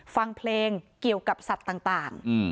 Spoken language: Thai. ฟังเพลงเกี่ยวกับสัตว์ต่าง